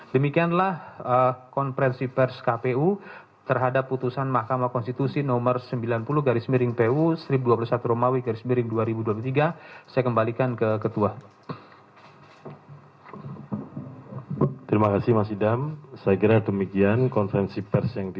demikianlah konferensi pers kpu terhadap putusan mahkamah konstitusi no sembilan puluh garis miring pu strip dua puluh satu romawi garis miring dua ribu dua puluh tiga